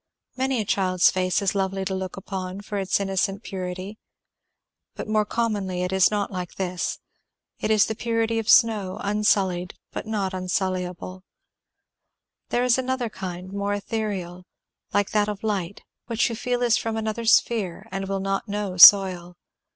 Many a child's face is lovely to look upon for its innocent purity, but more commonly it is not like this; it is the purity of snow, unsullied, but not unsullyable; there is another kind more ethereal, like that of light, which you feel is from another sphere and will not know soil.